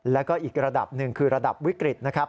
แล้วก็อีกระดับหนึ่งคือระดับวิกฤตนะครับ